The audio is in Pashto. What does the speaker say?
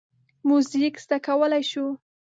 موزیک زده کولی شو.